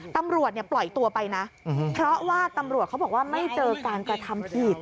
ตำรวจเนี่ยปล่อยตัวไปนะเพราะว่าตำรวจเขาบอกว่าไม่เจอการกระทำผิด